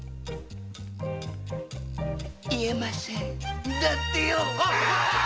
言えませんだってよハハハ。